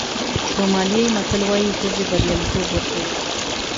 سومالیایي متل وایي ښځې بریالیتوب ورکوي.